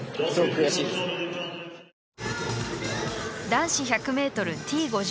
男子１００ｍＴ５４